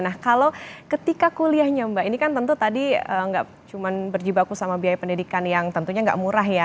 nah kalau ketika kuliahnya mbak ini kan tentu tadi nggak cuma berjibaku sama biaya pendidikan yang tentunya nggak murah ya